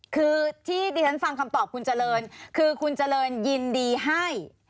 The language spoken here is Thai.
คือที่ดิฉันฟังคำตอบคุณเจริญคือคุณเจริญยินดีให้